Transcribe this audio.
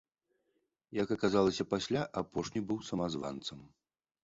Як аказалася пасля, апошні быў самазванцам.